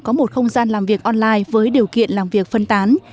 có một không gian làm việc online với điều kiện làm việc phân tán